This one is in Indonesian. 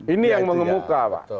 ini yang mengemuka pak